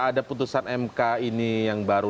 ada putusan mk ini yang baru